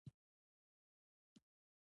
وادي د افغانستان د طبیعي زیرمو برخه ده.